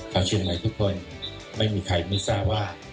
ชาวเชียงใหม่ทุกคนไม่มีใครไม่ทราบว่า